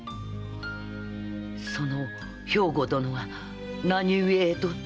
その兵庫殿が何故江戸に？